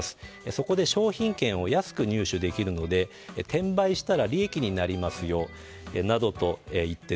そこで商品券を安く入手できるので転売したら利益になりますよなどと言って